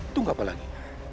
tunggu apa lagi